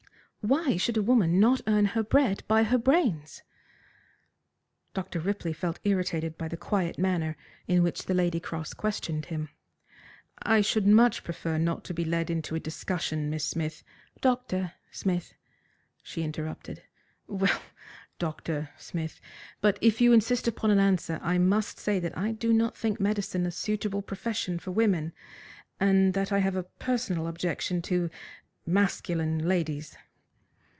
"Why should a woman not earn her bread by her brains?" Dr. Ripley felt irritated by the quiet manner in which the lady cross questioned him. "I should much prefer not to be led into a discussion, Miss Smith." "Dr. Smith," she interrupted. "Well, Dr. Smith! But if you insist upon an answer, I must say that I do not think medicine a suitable profession for women and that I have a personal objection to masculine ladies."